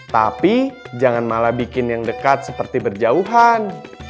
tapi jangan malah bikin yang dekat seperti berjauhan